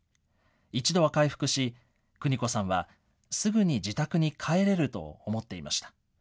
一度は回復し、邦子さんはすぐに自宅に帰れると思っていました。